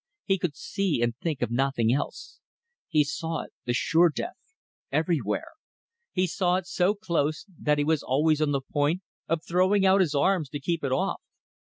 He could see and think of nothing else. He saw it the sure death everywhere. He saw it so close that he was always on the point of throwing out his arms to keep it off.